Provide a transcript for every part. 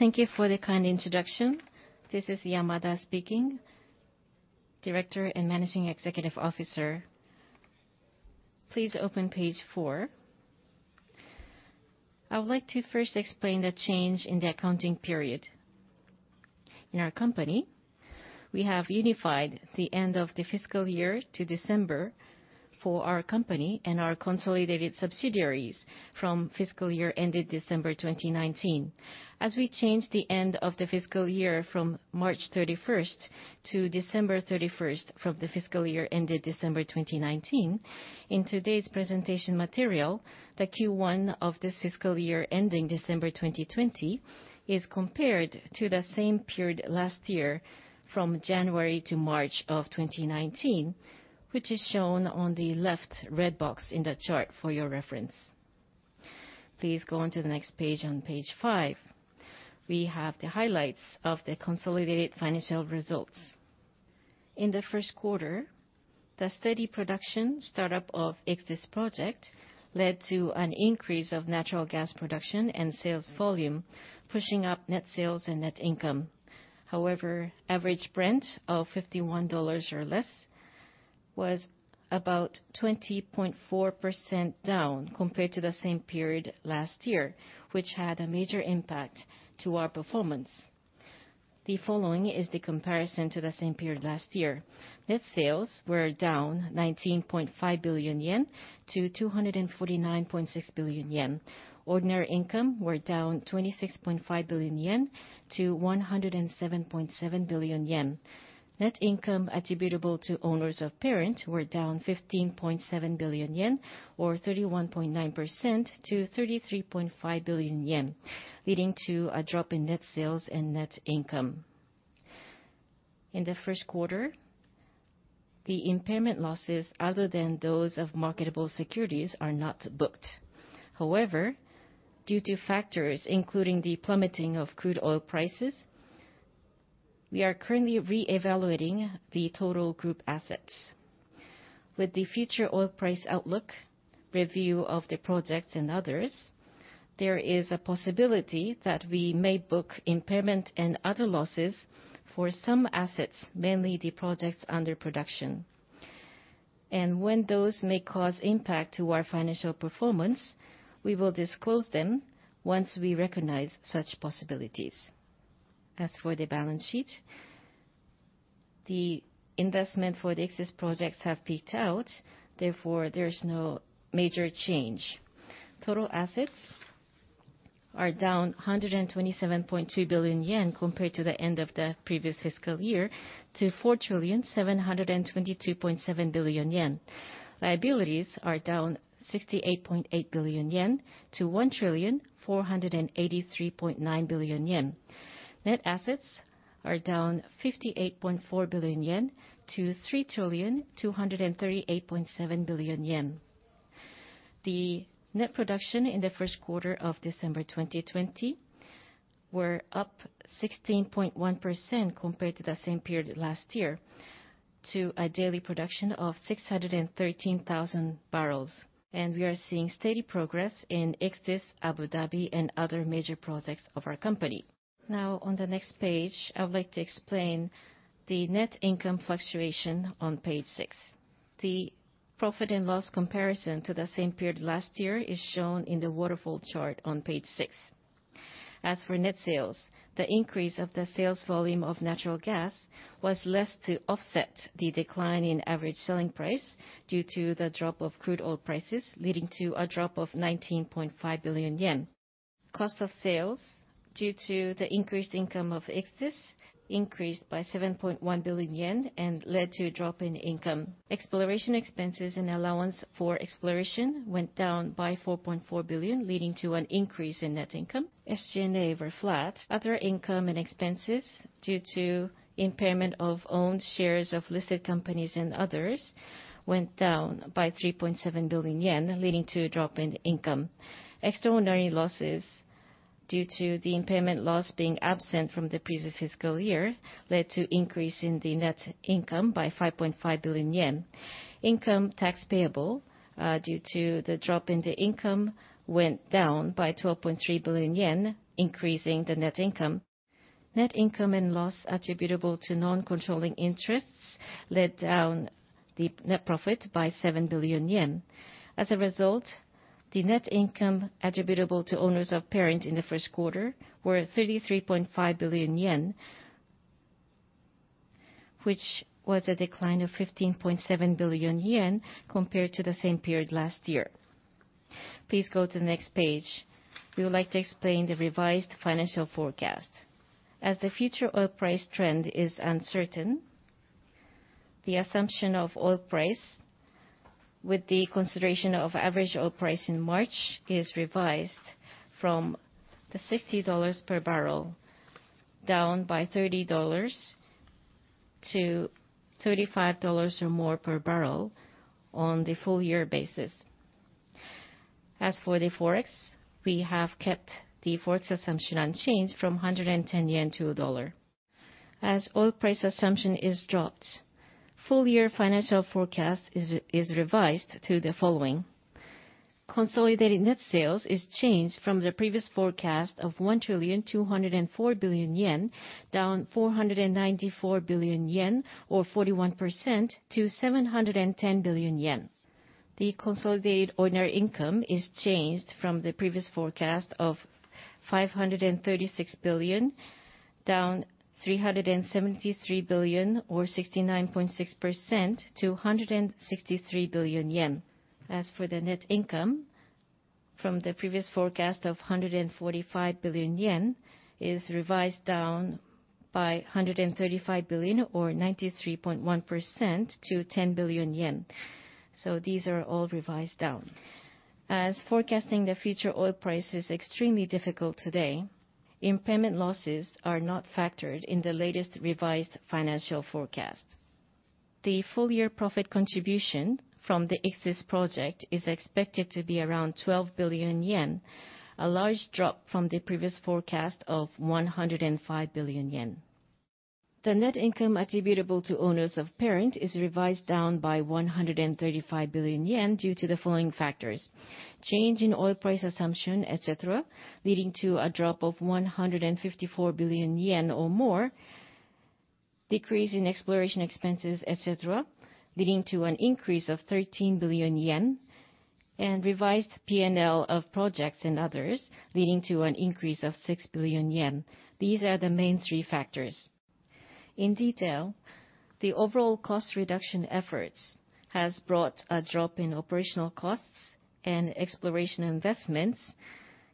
Thank you for the kind introduction. This is Yamada speaking, Director and Managing Executive Officer. Please open page four. I would like to first explain the change in the accounting period. In our company, we have unified the end of the fiscal year to December for our company and our consolidated subsidiaries from fiscal year ended December 2019. As we change the end of the fiscal year from March 31st to December 31st from the fiscal year ended December 2019, in today's presentation material, the Q1 of this fiscal year ending December 2020 is compared to the same period last year from January to March of 2019, which is shown on the left red box in the chart for your reference. Please go on to the next page, on page five. We have the highlights of the consolidated financial results. In the first quarter, the steady production startup of Ichthys project led to an increase of natural gas production and sales volume, pushing up net sales and net income. However, average Brent of $51 or less was about 20.4% down compared to the same period last year, which had a major impact to our performance. The following is the comparison to the same period last year. Net sales were down 19.5 billion yen to 249.6 billion yen. Ordinary income were down 26.4 billion yen to 107.7 billion yen. Net income attributable to owners of parent were down 15.7 billion yen, or 31.9% to 33.5 billion yen, leading to a drop in net sales and net income. In the first quarter, the impairment losses other than those of marketable securities are not booked. Due to factors including the plummeting of crude oil prices, we are currently reevaluating the total group assets. With the future oil price outlook, review of the projects and others, there is a possibility that we may book impairment and other losses for some assets, mainly the projects under production. When those may cause impact to our financial performance, we will disclose them once we recognize such possibilities. As for the balance sheet, the investment for the Ichthys projects have peaked out, therefore there is no major change. Total assets are down 127.2 billion yen compared to the end of the previous fiscal year to 4,722.7 billion yen. Liabilities are down 68.8 billion yen to 1,483.9 billion yen. Net assets are down 58.4 billion yen to 3,238.7 billion yen. The net production in the first quarter of December 2020 were up 16.1% compared to the same period last year to a daily production of 613,000 barrels, and we are seeing steady progress in Ichthys, Abu Dhabi, and other major projects of our company. Now on the next page, I would like to explain the net income fluctuation on page six. The profit and loss comparison to the same period last year is shown in the waterfall chart on page six. As for net sales, the increase of the sales volume of natural gas was less to offset the decline in average selling price due to the drop of crude oil prices, leading to a drop of 19.5 billion yen. Cost of sales, due to the increased income of Ichthys, increased by 7.1 billion yen and led to a drop in income. Exploration expenses and allowance for exploration went down by 4.4 billion, leading to an increase in net income. SG&A were flat. Other income and expenses due to impairment of owned shares of listed companies and others went down by 3.7 billion yen, leading to a drop in income. Extraordinary losses due to the impairment loss being absent from the previous fiscal year led to increase in the net income by 5.5 billion yen. Income tax payable, due to the drop in the income, went down by 12.3 billion yen, increasing the net income. Net income and loss attributable to non-controlling interests led down the net profit by 7 billion yen. As a result, the net income attributable to owners of parent in the first quarter were 33.5 billion yen, which was a decline of 15.7 billion yen compared to the same period last year. Please go to the next page. We would like to explain the revised financial forecast. As the future oil price trend is uncertain, the assumption of oil price with the consideration of average oil price in March is revised from the $60 per barrel down by $30-$35 or more per barrel on the full-year basis. As for the Forex, we have kept the Forex assumption unchanged from 110 yen to $1. As oil price assumption is dropped, full-year financial forecast is revised to the following. Consolidated net sales is changed from the previous forecast of 1 trillion, 204 billion, down 494 billion yen, or 41%, to 710 billion yen. The consolidated ordinary income is changed from the previous forecast of 536 billion, down 373 billion, or 69.6%, to 163 billion yen. As for the net income, from the previous forecast of 145 billion yen, is revised down by 135 billion, or 93.1%, to 10 billion yen. These are all revised down. As forecasting the future oil price is extremely difficult today, impairment losses are not factored in the latest revised financial forecast. The full-year profit contribution from the Ichthys project is expected to be around 12 billion yen, a large drop from the previous forecast of 105 billion yen. The net income attributable to owners of parent is revised down by 135 billion yen due to the following factors. Change in oil price assumption, et cetera, leading to a drop of 154 billion yen or more, decrease in exploration expenses, et cetera, leading to an increase of 13 billion yen, and revised P&L of projects and others, leading to an increase of 6 billion yen. These are the main three factors. In detail, the overall cost reduction efforts has brought a drop in operational costs and exploration investments,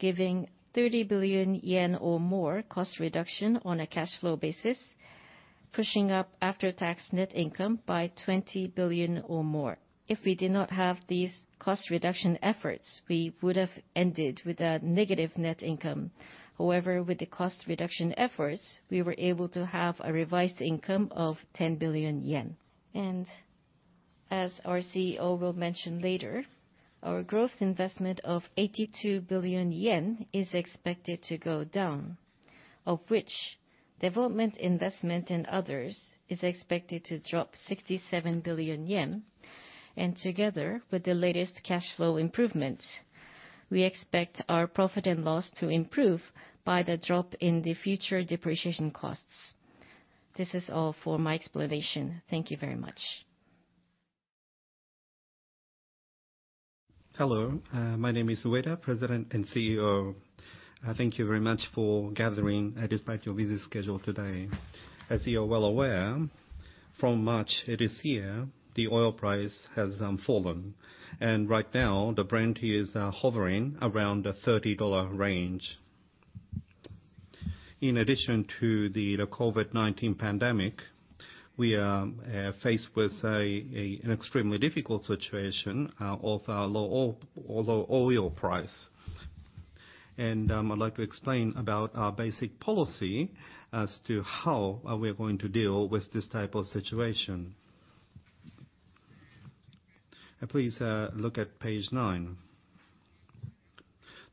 giving 30 billion yen or more cost reduction on a cash flow basis, pushing up after-tax net income by 20 billion or more. If we did not have these cost reduction efforts, we would have ended with a negative net income. However, with the cost reduction efforts, we were able to have a revised income of 10 billion yen. As our CEO will mention later, our growth investment of 82 billion yen is expected to go down, of which development investment and others is expected to drop 67 billion yen. Together with the latest cash flow improvements, we expect our profit and loss to improve by the drop in the future depreciation costs. This is all for my explanation. Thank you very much. Hello. My name is Ueda, President and CEO. Thank you very much for gathering despite your busy schedule today. As you are well aware, from March this year, the oil price has fallen, and right now the Brent is hovering around the $30 range. In addition to the COVID-19 pandemic, we are faced with an extremely difficult situation of a low oil price. I'd like to explain about our basic policy as to how we are going to deal with this type of situation. Please look at page nine.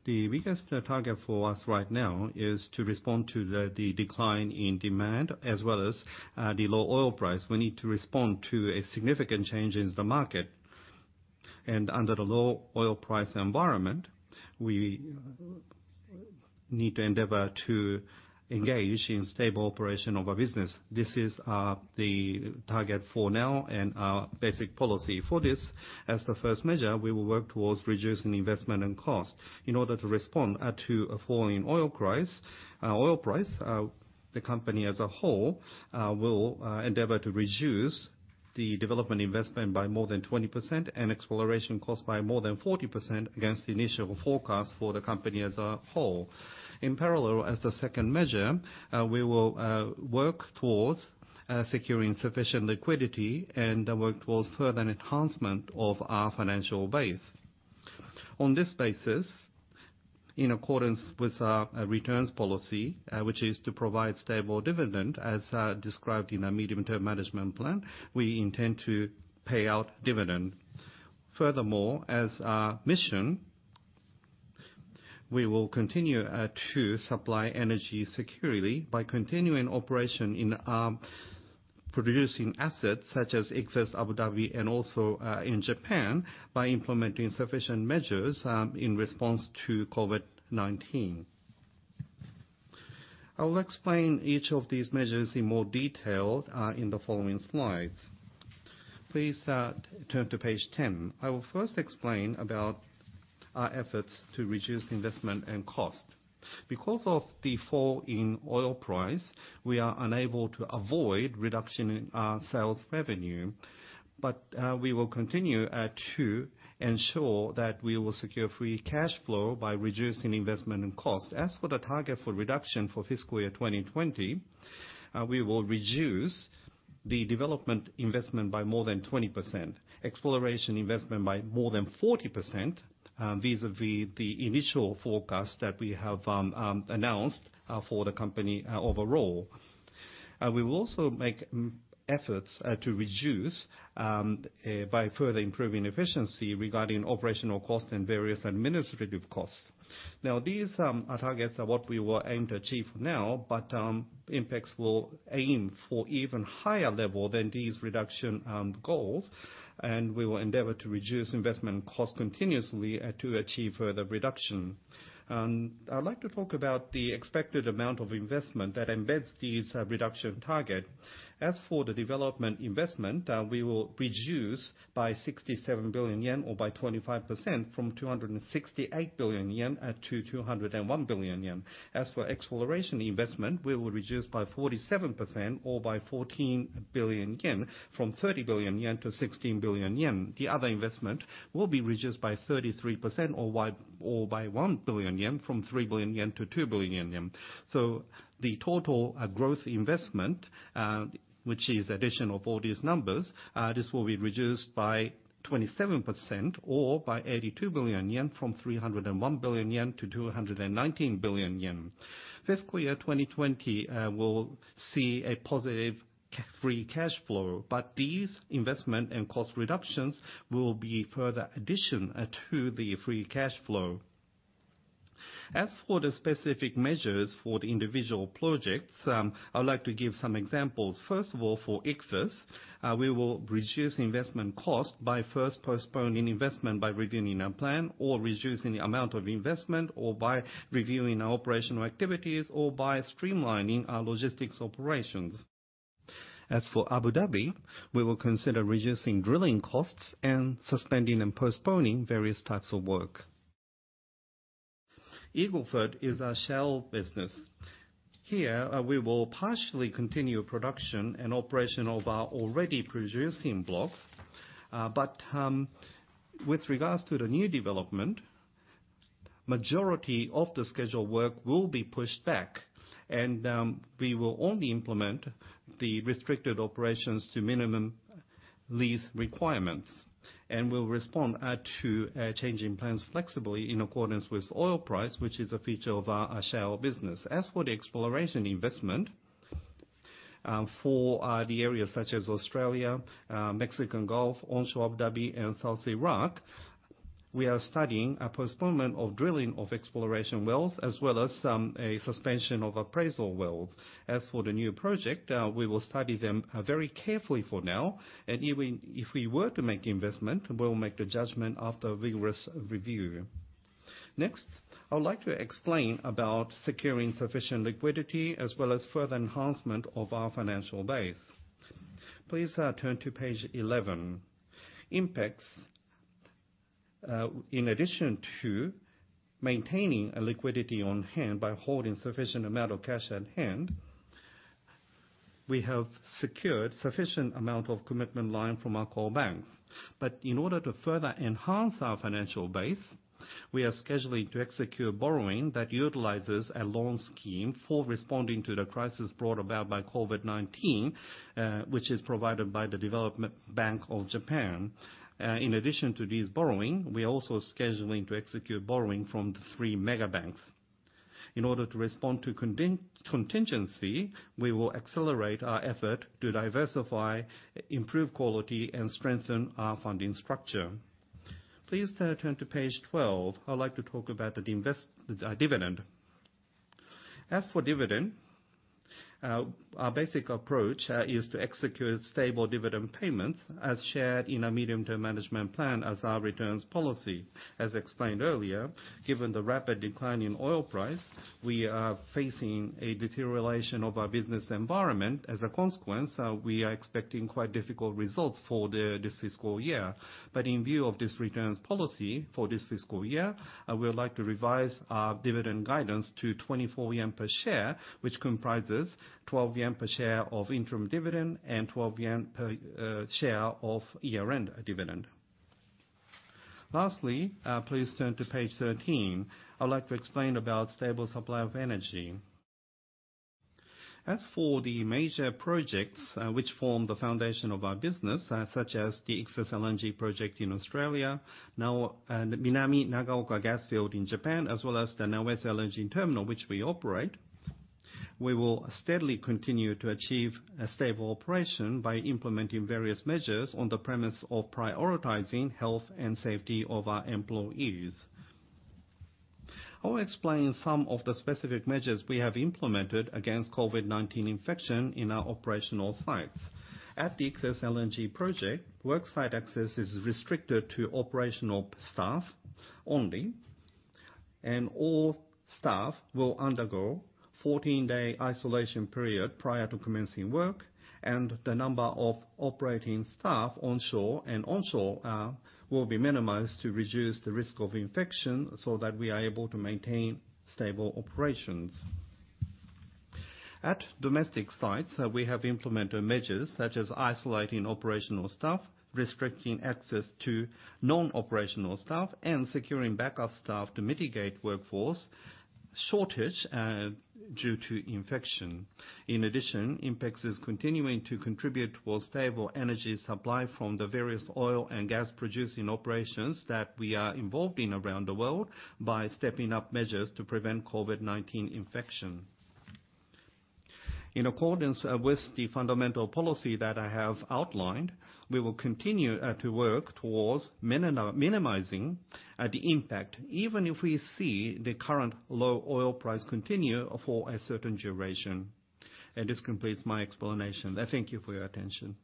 The biggest target for us right now is to respond to the decline in demand, as well as the low oil price. We need to respond to a significant change in the market. Under the low oil price environment, we need to endeavor to engage in stable operation of our business. This is the target for now and our basic policy. For this, as the first measure, we will work towards reducing investment and cost. In order to respond to a fall in oil price, the company as a whole will endeavor to reduce the development investment by more than 20% and exploration cost by more than 40% against the initial forecast for the company as a whole. In parallel, as the second measure, we will work towards securing sufficient liquidity and work towards further enhancement of our financial base. On this basis, in accordance with our returns policy, which is to provide stable dividend as described in our medium-term management plan, we intend to pay out dividend. Furthermore, as our mission, we will continue to supply energy security by continuing operation in our producing assets, such as Ichthys, Abu Dhabi, and also in Japan, by implementing sufficient measures in response to COVID-19. I will explain each of these measures in more detail in the following slides. Please turn to page 10. I will first explain about our efforts to reduce investment and cost. Because of the fall in oil price, we are unable to avoid reduction in our sales revenue, but we will continue to ensure that we will secure free cash flow by reducing investment and cost. As for the target for reduction for fiscal year 2020, we will reduce the development investment by more than 20%, exploration investment by more than 40% vis-a-vis the initial forecast that we have announced for the company overall. We will also make efforts to reduce By further improving efficiency regarding operational costs and various administrative costs. Now, these targets are what we will aim to achieve now, but INPEX will aim for even higher level than these reduction goals, and we will endeavor to reduce investment costs continuously to achieve further reduction. I'd like to talk about the expected amount of investment that embeds these reduction target. As for the development investment, we will reduce by 67 billion yen or by 25% from 268 billion yen to 201 billion yen. As for exploration investment, we will reduce by 47% or by 14 billion yen from 30 billion yen to 16 billion yen. The other investment will be reduced by 33% or by 1 billion yen, from 3 billion yen to 2 billion yen. The total growth investment, which is addition of all these numbers, this will be reduced by 27% or by 82 billion yen from 301 billion yen to 219 billion yen. FY 2020 will see a positive free cash flow, but these investment and cost reductions will be further addition to the free cash flow. As for the specific measures for the individual projects, I'd like to give some examples. First of all, for Ichthys, we will reduce investment cost by first postponing investment by reviewing our plan or reducing the amount of investment, or by reviewing our operational activities, or by streamlining our logistics operations. As for Abu Dhabi, we will consider reducing drilling costs and suspending and postponing various types of work. Eagle Ford is our shale business. Here, we will partially continue production and operation of our already producing blocks. With regards to the new development, majority of the scheduled work will be pushed back and we will only implement the restricted operations to minimum lease requirements and will respond to changing plans flexibly in accordance with oil price, which is a feature of our shale business. As for the exploration investment for the areas such as Australia, Gulf of Mexico, onshore Abu Dhabi, and South Iraq, we are studying a postponement of drilling of exploration wells, as well as a suspension of appraisal wells. As for the new project, we will study them very carefully for now, and if we were to make investment, we'll make the judgment after rigorous review. Next, I would like to explain about securing sufficient liquidity as well as further enhancement of our financial base. Please turn to page 11. INPEX, in addition to maintaining liquidity on hand by holding sufficient amount of cash at hand, we have secured sufficient amount of commitment line from our core banks. In order to further enhance our financial base, we are scheduling to execute borrowing that utilizes a loan scheme for responding to the crisis brought about by COVID-19, which is provided by the Development Bank of Japan Inc. In addition to this borrowing, we are also scheduling to execute borrowing from the three mega banks. In order to respond to contingency, we will accelerate our effort to diversify, improve quality, and strengthen our funding structure. Please turn to page 12. I would like to talk about the dividend. As for dividend, our basic approach is to execute stable dividend payments as shared in our medium-term management plan as our returns policy. As explained earlier, given the rapid decline in oil price, we are facing a deterioration of our business environment. As a consequence, we are expecting quite difficult results for this fiscal year. In view of this returns policy for this fiscal year, I would like to revise our dividend guidance to 24 yen per share, which comprises 12 yen per share of interim dividend and 12 yen per share of year-end dividend. Lastly, please turn to page 13. I would like to explain about stable supply of energy. As for the major projects which form the foundation of our business, such as the Ichthys LNG Project in Australia, Minami-Nagaoka Gas Field in Japan, as well as the Naoetsu LNG Terminal, which we operate, we will steadily continue to achieve a stable operation by implementing various measures on the premise of prioritizing health and safety of our employees. I'll explain some of the specific measures we have implemented against COVID-19 infection in our operational sites. At the Ichthys LNG Project, work site access is restricted to operational staff only, and all staff will undergo 14-day isolation period prior to commencing work, and the number of operating staff onshore and onshore will be minimized to reduce the risk of infection so that we are able to maintain stable operations. At domestic sites, we have implemented measures such as isolating operational staff, restricting access to non-operational staff, and securing backup staff to mitigate workforce shortage due to infection. INPEX is continuing to contribute towards stable energy supply from the various oil and gas producing operations that we are involved in around the world by stepping up measures to prevent COVID-19 infection. In accordance with the fundamental policy that I have outlined, we will continue to work towards minimizing the impact, even if we see the current low oil price continue for a certain duration. This completes my explanation. Thank you for your attention.